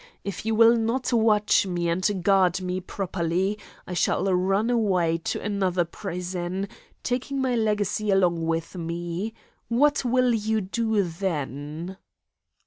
If you will not watch me and guard me properly I shall run away to another prison, taking my legacy along with me. What will you do then?"